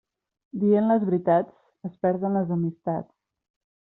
Dient les veritats es perden les amistats.